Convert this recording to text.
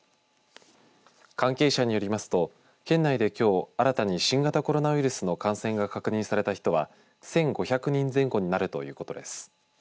関係者によりますと県内で、きょう新たに新型コロナウイルスの感染が確認された人は１５００人前後になるということです。